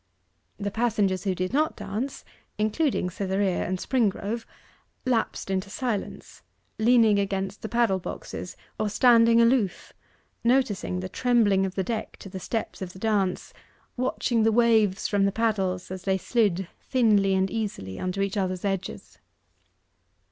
The passengers who did not dance, including Cytherea and Springrove, lapsed into silence, leaning against the paddle boxes, or standing aloof noticing the trembling of the deck to the steps of the dance watching the waves from the paddles as they slid thinly and easily under each other's edges.